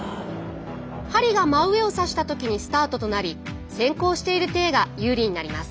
針が真上を指した時にスタートとなり先行している艇が有利になります。